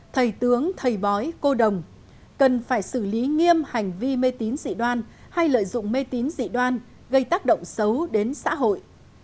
thầy tướng thầy bói cô đồng cần phải xử lý nghiêm hành vi mê tín dị đoan hay lợi dụng mê tín dị đoan gây tác động xấu đến xã hội